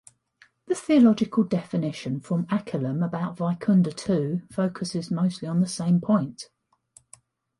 The theological definition from Akilam about Vaikundar too focuses mostly on the same point.